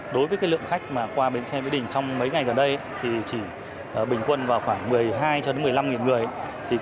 đối với lượng khách qua bến xe mỹ đình trong mấy ngày gần đây thì chỉ bình quân vào khoảng một mươi hai một mươi năm người